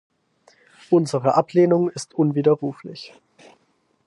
Unsere Ablehnung ist unwiderruflich.